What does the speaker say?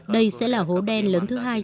đây sẽ là hố đen lớn thứ hai